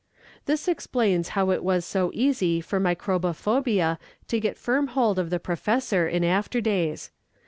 This explains how it was so easy for microbophobia to get firm hold of the professor in after days.